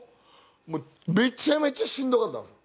もうめちゃめちゃしんどかったんです。